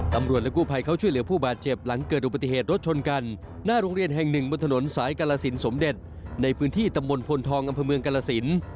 ตำรวจและกู้ภัยเขาช่วยเหลือผู้บาดเจ็บหลังเกิดอุบัติเหตุรถชนกันหน้าโรงเรียนแห่งหนึ่งบนถนนสายกาลสินสมเด็จในพื้นที่ตำบลพลทองอำเภอเมืองกรสิน